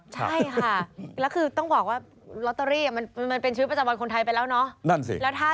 ใช่ค่ะ